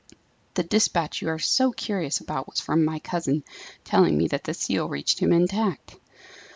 The despatch you are so curious about was from my cousin, telling me that the seal reached him intact."